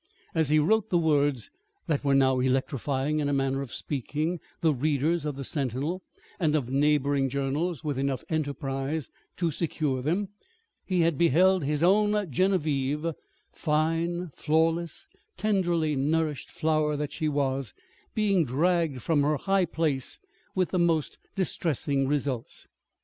As he wrote the words that were now electrifying, in a manner of speaking, the readers of the Sentinel, and of neighboring journals with enough enterprise to secure them, he had beheld his own Genevieve, fine, flawless, tenderly nourished flower that she was, being dragged from her high place with the most distressing results.